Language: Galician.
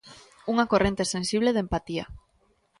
Unha corrente sensible de empatía.